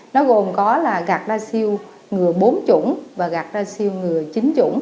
nó gồm có là gạt ra siêu ngừa bốn chủng và gạt ra siêu ngừa chín chủng